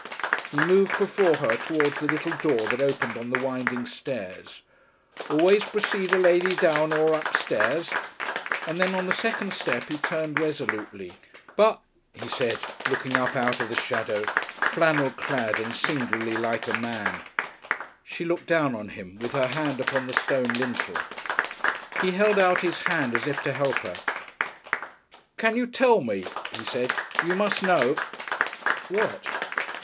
He moved before her towards the little door that opened on the winding stairs "always precede a lady down or up stairs" and then on the second step he turned resolutely. "But," he said, looking up out of the shadow, flannel clad and singularly like a man. She looked down on him, with her hand upon the stone lintel. He held out his hand as if to help her. "Can you tell me?" he said. "You must know " "What?"